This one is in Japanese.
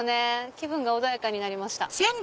気分が穏やかになりました。